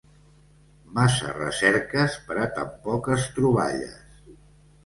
Massa recerques per a tan poques troballes.